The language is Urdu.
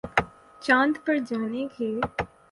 چاند پر جانے کے